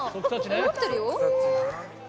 持ってるよ。